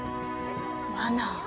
マナー。